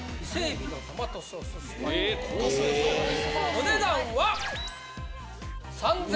お値段は！